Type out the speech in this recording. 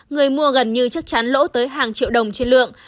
người mua gần như chắc chắn lỗ tới hàng triệu đồng trên lượng